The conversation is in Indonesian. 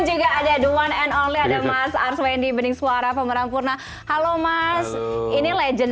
juga ada the one and only ada mas arswendi bening suara pemeran purna halo mas ini legend